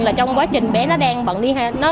là trong quá trình bé nó đang bận đi